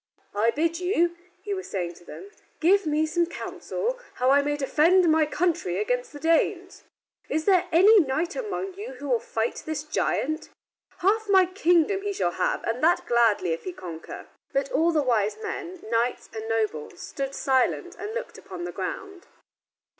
"I bid you," he was saying to them, "give me some counsel how I may defend my country against the Danes. Is there any knight among you who will fight this giant? Half my kingdom he shall have, and that gladly, if he conquer." But all the wise men, knights and nobles, stood silent and looked upon the ground.